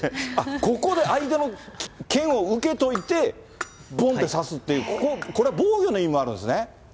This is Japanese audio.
ここで相手の剣を受けといて、ぼんって刺すっていう、ここ、これ防御の意味もあるんですね。